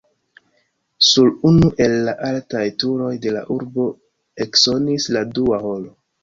Sur unu el la altaj turoj de la urbo eksonis la dua horo.